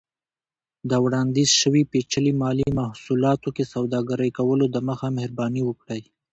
د وړاندیز شوي پیچلي مالي محصولاتو کې سوداګرۍ کولو دمخه، مهرباني وکړئ